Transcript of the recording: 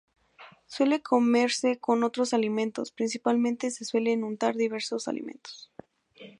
Suele comerse con otros alimentos, principalmente se suelen untar diversos alimentos.